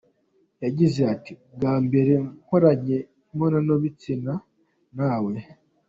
Yagize ati”Bwa mbere nkoranye imibonano mpuzabitsina na we.